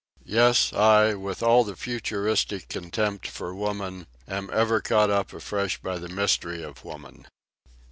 Yes, I, with all the futuristic contempt for woman, am ever caught up afresh by the mystery of woman.